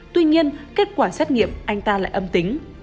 tuy nhiên kết quả xét nghiệm anh ta lại âm tính